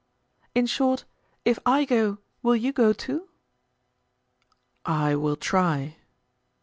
"In short, if I go, will you go too?" "I will try."